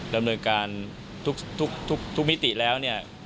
ดำเนินการทุกมิติแล้ว